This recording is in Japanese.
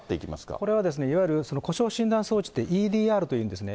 これはいわゆる故障診断装置って、ＥＤＲというんですね。